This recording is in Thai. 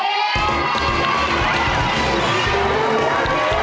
ขอบคุณครับ